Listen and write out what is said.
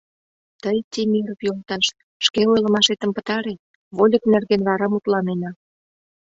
— Тый, Темиров йолташ, шке ойлымашетым пытаре, вольык нерген вара мутланена.